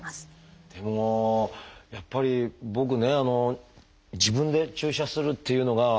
でもやっぱり僕ね自分で注射するっていうのが。